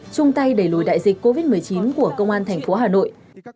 chung tay đẩy lùi đại dịch covid một mươi chín của công an thành phố hà nội